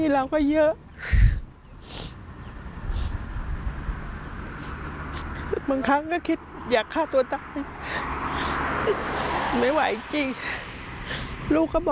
แล้วก็ไม่หลับ